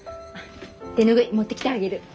手拭い持ってきてあげる。